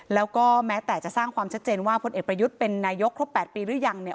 แล้วก็แม้แต่จะสร้างความชัดเจนว่าพลเอกประยุทธ์เป็นนายกครบ๘ปีหรือยังเนี่ย